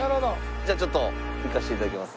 ちょっといかせて頂きます。